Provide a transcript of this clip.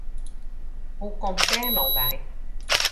Hoe komst dêr no by?